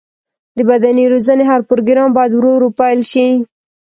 د بدني روزنې هر پروګرام باید ورو ورو پیل شي.